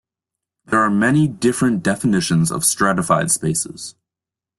There are many different definitions of stratified spaces.